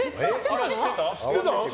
知ってたの？